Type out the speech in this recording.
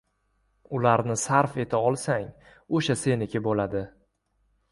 Ularni sarf eta olsang, o‘sha seniki bo‘ladi.